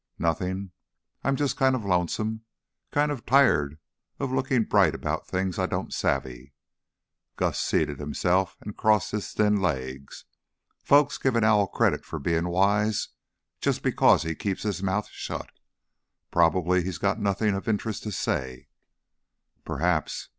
"Nothing! I'm just kinda lonesome; kinda tired of lookin' bright about things I don't savvy." Gus seated himself and crossed his thin legs. "Folks give an owl credit for bein' wise just because he keeps his mouth shut. Prob'ly he's got nothing of interest to say." "Perhaps.